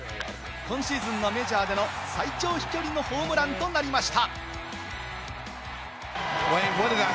今シーズンのメジャーでの最長飛距離のホームランとなりました。